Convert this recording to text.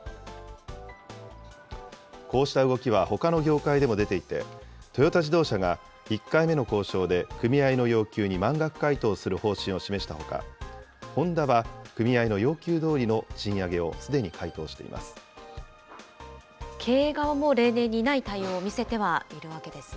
こうした動きはほかの業界でも出ていて、トヨタ自動車が１回目の交渉で組合の要求に満額回答する方針を示したほか、ホンダは組合の要求どおりの賃上げをすでに回答してい経営側も、例年にない対応を見せてはいるわけですね。